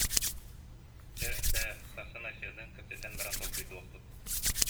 Чэ, бээ, сарсын Айсенныын кэпсэтэн баран толкуйдуохпут